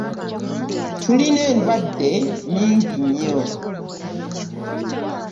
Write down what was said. tulina endwadde nnyingi nnyo